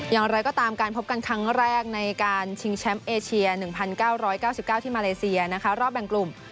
อย่างไรก็ตามการพบกันครั้งแรกในการชิงแชมป์เอเชีย๑๙๙๙ที่มาเลเซียนะคะรอบแบ่งกลุ่ม